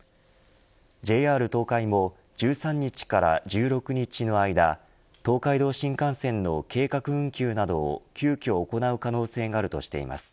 ＪＲ東海も１３日から１６日の間東海道新幹線の計画運休などを急きょ行う可能性があるとしています。